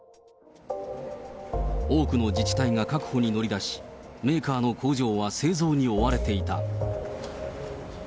多くの自治体が確保に乗り出し、メーカーの工場は製造に追われていた。